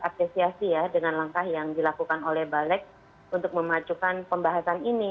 apresiasi ya dengan langkah yang dilakukan oleh balik untuk memacukan pembahasan ini